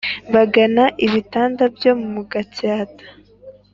bagana ibitanda byo mu gasyata